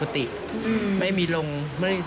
ทำนองนะครับ